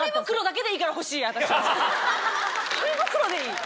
紙袋でいい。